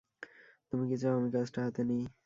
তুমি কি চাও আমি কাজটা হাতে নিই?